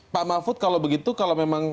pak mahfud kalau begitu kalau memang